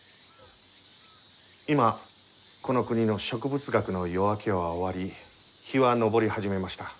今この国の植物学の夜明けは終わり日は昇り始めました。